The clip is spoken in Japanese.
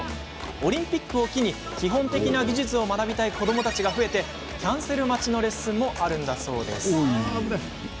オリンピックを機に基本的な技術を学びたい子どもたちが増えてキャンセル待ちのレッスンもあるんだそうです。